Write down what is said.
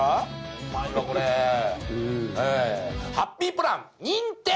うまいわこれハッピープラン認定！